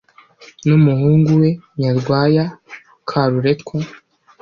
N Umuhungu We Nyarwaya Karuretwa